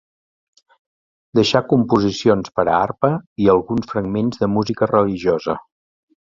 Deixà composicions per a arpa i alguns fragments de música religiosa.